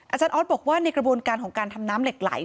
อาจารย์ออสบอกว่าในกระบวนการของการทำน้ำเหล็กไหล